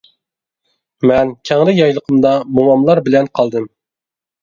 مەن كەڭرى يايلىقىمدا موماملار بىلەن قالدىم.